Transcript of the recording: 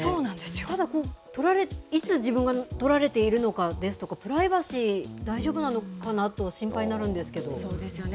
ただ、いつ自分が撮られているのかですとか、プライバシー、大丈夫なのかなと心配になるんでそうですよね。